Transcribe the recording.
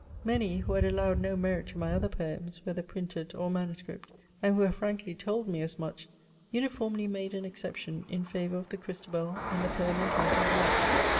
Many, who had allowed no merit to my other poems, whether printed or manuscript, and who have frankly told me as much, uniformly made an exception in favour of the CHRISTABEL and the poem entitled LOVE.